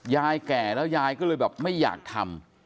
แก่แล้วยายก็เลยแบบไม่อยากทำ